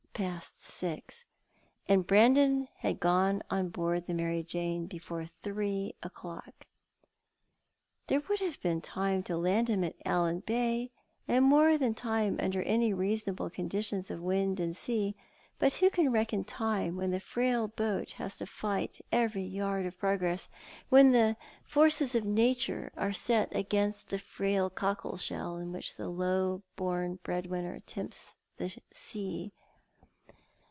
Past six— and Brandon had gone on board the ^larij Jana before three o'clock. There would have been time to land him at Allan Bay, and more than time under any reasonable conditions of wind and sea — but who can reckon time when the frail boat has to fight every yard of progress — when all the forces of Nature are set against the frail cockleshell in which the low born bread winner tempts the sea.